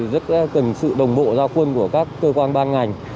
rất cần sự đồng bộ giao quân của các cơ quan ban ngành